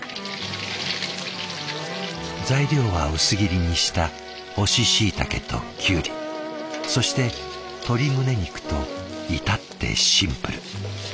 材料は薄切りにした干しシイタケとキュウリそして鶏胸肉と至ってシンプル。